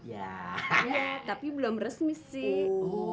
iya tapi belum resmi sih